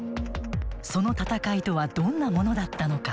その戦いとはどんなものだったのか。